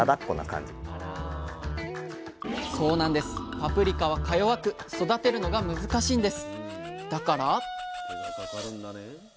パプリカはか弱く育てるのが難しいんです。